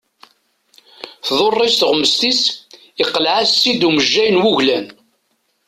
Tḍurr-it tuɣmest-is, yeqleɛ-as-tt-id umejjay n wuglan.